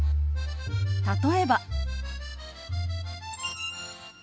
例えば。